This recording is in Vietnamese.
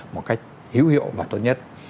một cách hữu hiệu và tốt nhất